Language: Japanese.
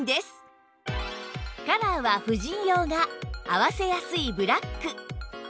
カラーは婦人用が合わせやすいブラック